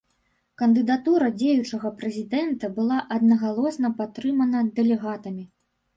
Кандыдатура дзеючага прэзідэнта была аднагалосна падтрымана дэлегатамі.